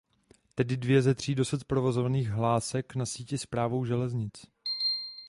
Tedy dvě ze tří dosud provozovaných hlásek na síti Správou železnic.